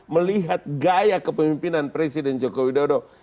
melihat gaya kepemimpinan presiden joko widodo